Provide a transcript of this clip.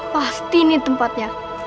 pasti ini tempatnya